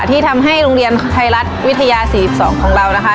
ที่ทำให้โรงเรียนไทยรัฐวิทยา๔๒ของเรานะคะ